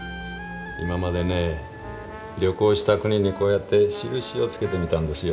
今までね旅行した国にこうやって印をつけてみたんですよ。